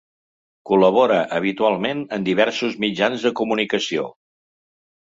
Col·labora habitualment en diversos mitjans de comunicació.